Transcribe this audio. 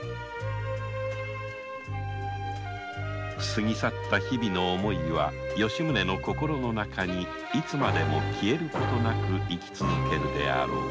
過ぎ去った日々の思いは吉宗の心の中にいつまでも消える事なく生き続けるであろう